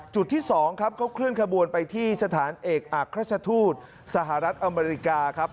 จุดที่๒ก็เคลื่อนขบวนไปที่สถานเอกอักฆาตชาตุสหรัฐอเมริกา